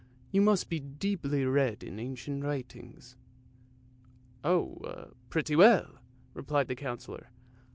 You must be deeply read in the ancient writings." " Oh, pretty well," replied the Councillor.